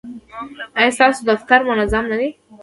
ایا ستاسو دفتر منظم نه دی؟